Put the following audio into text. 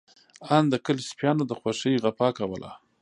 آن د کلي سپيانو د خوښۍ غپا کوله.